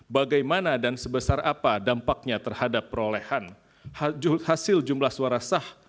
bagaimana dan sebesar apa dampaknya terhadap perolehan hasil jumlah suara sah